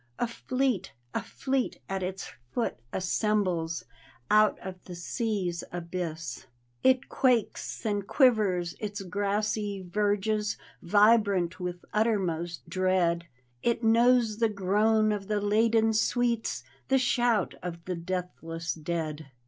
A fleet, a fleet at its foot assembles Qut of the sea's abyss. D,gt,, erihyGOOgle The Haunted Hour It quaQs and quivers, its grassy verges Vibrant with uttermost dread: It knows the groan of the laden suites, The shout of the deathless Dead.